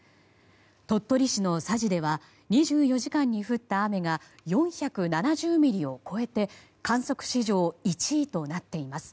鳥取市の佐治では２４時間に降った雨が４７０ミリを超えて観測史上１位となっています。